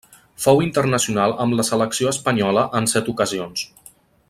Fou internacional amb la selecció espanyola en set ocasions.